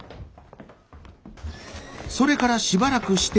それからしばらくして。